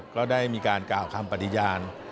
ก็ได้มีการกล่าวคำปฏิญาณ